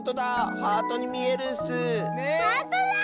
ハートだ！